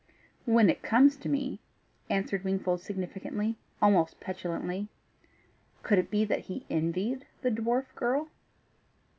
"When it comes to me," answered Wingfold significantly almost petulantly. Could it be that he envied the dwarf girl?